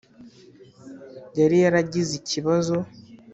Yari yaragize ikibazo